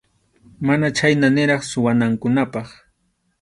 Mana chhayna niraq suwanankupaq.